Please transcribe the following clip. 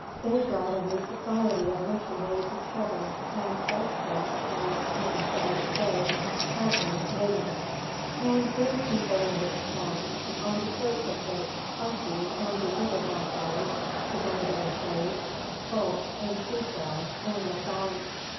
Day brought a new society of nursery maids and children, and fresh dressed and (I am sorry to say) tight laced maidens, and gay people in rich traps; upon the skirts of which Carthew and "the other blackguards" his own bitter phrase skulked, and chewed grass, and looked on.